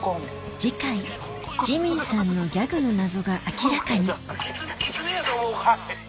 次回ジミーさんのギャグの謎が明らかにキツネやと思う。